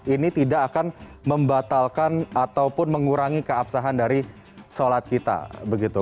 ini tidak akan membatalkan ataupun mengurangi keabsahan dari sholat kita begitu